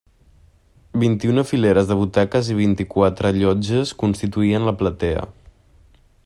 Vint-i-una fileres de butaques i vint-i-quatre llotges constituïen la platea.